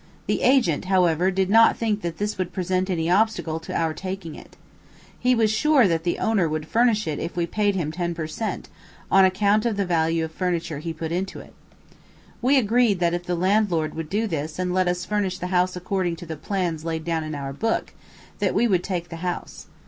The agent, however, did not think that this would present any obstacle to our taking it. He was sure that the owner would furnish it if we paid him ten per cent, on the value of the furniture he put into it. We agreed that if the landlord would do this and let us furnish the house according to the plans laid down in our book, that we would take the house.